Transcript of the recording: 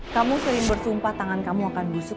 kamu sering bersumpah tangan kamu akan busuk